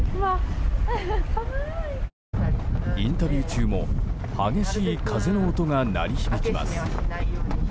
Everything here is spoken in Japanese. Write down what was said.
インタビュー中も激しい風の音が鳴り響きます。